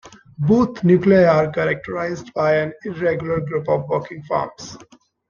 Both nuclei are characterised by an irregular group of working farms.